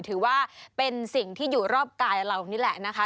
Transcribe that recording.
ถือว่าเป็นสิ่งที่อยู่รอบกายเรานี่แหละนะคะ